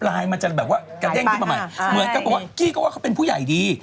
มันจะแบบว่ากระเด้งขึ้นมาใหม่เหมือนกับบอกว่ากี้ก็ว่าเขาเป็นผู้ใหญ่ดี